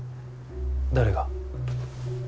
誰が？